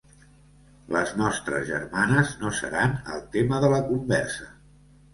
Les nostres germanes no seran el tema de la conversa.